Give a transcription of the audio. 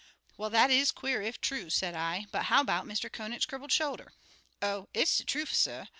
"Well, that is queer, if true," said I, "but how about Mr. Conant's crippled shoulder?" "Oh, it's de trufe, suh.